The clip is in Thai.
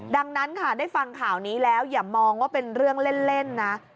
ดังนั้นค่ะได้ฟังข่าวนี้แล้วอย่ามองว่าเป็นเรื่องเล่นนะ